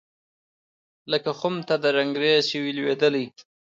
لکه خُم ته د رنګرېز چي وي لوېدلی